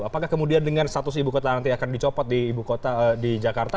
apakah kemudian dengan status ibu kota nanti akan dicopot di jakarta